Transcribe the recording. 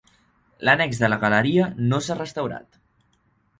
L'annex de la galeria no s'ha restaurat.